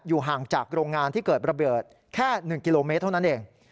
ห่างจากโรงงานที่เกิดระเบิดแค่๑กิโลเมตรเท่านั้นเอง